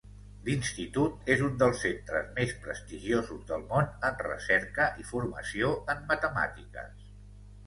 L'Institut és un dels centres més prestigiosos del món en recerca i formació en matemàtiques.